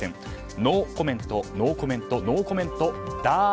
ノーコメント、ノーコメントノーコメントだー！